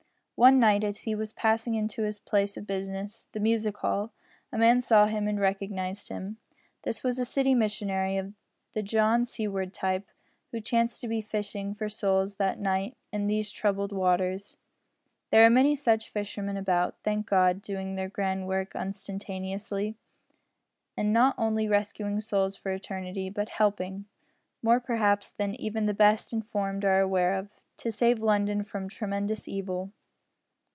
One night, as he was passing into his place of business the music hall a man saw him and recognised him. This was a city missionary of the John Seaward type, who chanced to be fishing for souls that night in these troubled waters. There are many such fishermen about, thank God, doing their grand work unostentatiously, and not only rescuing souls for eternity, but helping, more perhaps than even the best informed are aware of, to save London from tremendous evil.